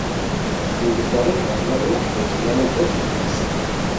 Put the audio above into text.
Hûn dikarin rexne û pêşniyarên xwe jî binivîsin.